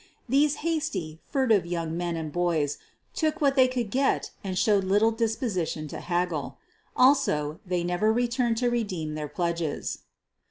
These hasty, furtive young men and boys took what they could get and showed little dis position to haggle. Also, they never returned to redeem their pledges.